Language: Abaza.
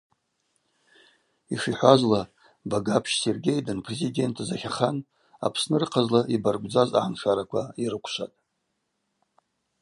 Йшихӏвазла, Багапщ Сергей данпрезидентыз атлахан Апсны рыхъазла йбаргвдзаз агӏаншараква йрыквшватӏ.